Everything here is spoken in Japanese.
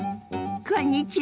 こんにちは。